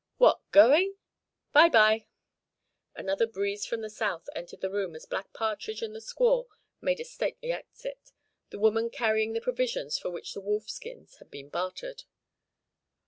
What, going? Bye bye!" Another breeze from the south entered the room as Black Partridge and the squaw made a stately exit, the woman carrying the provisions for which the wolf skins had been bartered.